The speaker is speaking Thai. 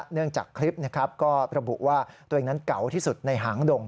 เนื่องจากคลิปก็ระบุว่าตัวเองนั้นเก่าที่สุดในหางดง